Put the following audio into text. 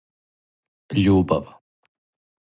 Љубав